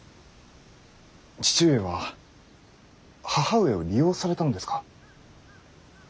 父上は義母上を利用されたのですか。